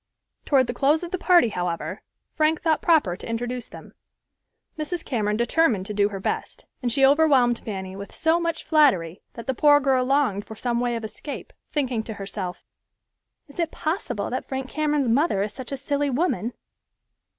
Toward the close of the party, however, Frank thought proper to introduce them. Mrs. Cameron determined to do her best, and she overwhelmed Fanny with so much flattery, that the poor girl longed for some way of escape, thinking to herself, "Is it possible that Frank Cameron's mother is such a silly woman?"